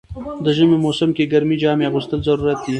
د ژمی موسم کی ګرمی جامی اغوستل ضروري ده.